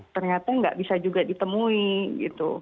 ternyata nggak bisa juga ditemui gitu